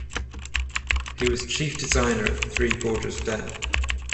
He was chief designer of the Three Gorges Dam.